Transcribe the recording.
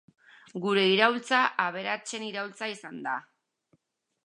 Gure iraultza aberatsen iraultza izan da.